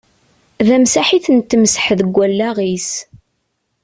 D amsaḥ i ten-temsaḥ deg wallaɣ-is.